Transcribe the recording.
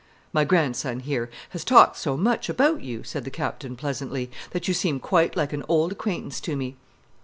"My grandson, here, has talked so much about you," said the Captain, pleasantly, "that you seem quite like an old acquaintance to me."